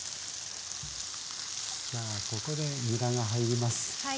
じゃここでにらが入ります。